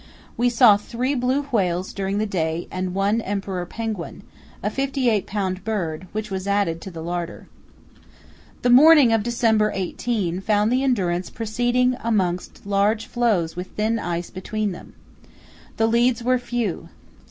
We saw three blue whales during the day and one emperor penguin, a 58 lb. bird, which was added to the larder. The morning of December 18 found the Endurance proceeding amongst large floes with thin ice between them. The leads were few.